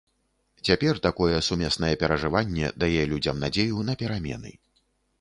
Цяпер такое сумеснае перажыванне дае людзям надзею на перамены.